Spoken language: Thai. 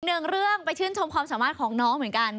หนึ่งเรื่องไปชื่นชมความสามารถของน้องเหมือนกัน